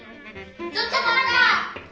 ちょっとまった！